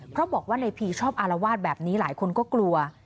เพราะบอกว่าในพีชอบอารวาสแบบนี้หลายคนก็กลัว